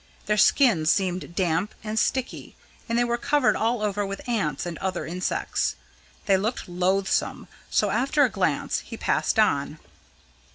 Their skins seemed damp and sticky, and they were covered all over with ants and other insects. They looked loathsome, so after a glance, he passed on.